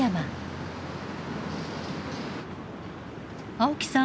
青木さん